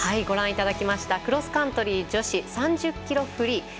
ご覧いただきましたクロスカントリー女子３０ｋｍフリー。